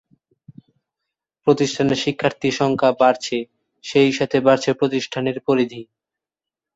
প্রতিষ্ঠানের শিক্ষার্থী সংখ্যা বাড়ছে, সেই সাথে বাড়ছে প্রতিষ্ঠানের পরিধি।